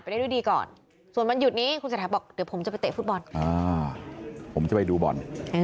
พี่โอเคผมจะไปดูบอล